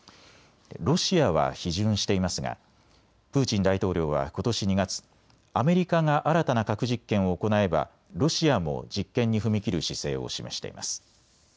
ロシアは批准していますがプーチン大統領はことし２月、アメリカが新たな核実験を行えばロシアも実験に踏み切る姿勢を示しています。